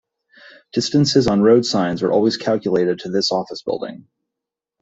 Distances on road signs are always calculated to this office building.